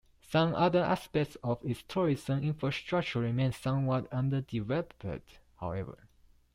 Some other aspects of its tourism infrastructure remain somewhat underdeveloped however.